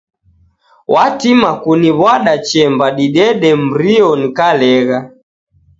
Watima kuniw'wada chemba didede mrio nikalegha.